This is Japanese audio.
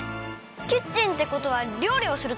キッチンってことはりょうりをするところ？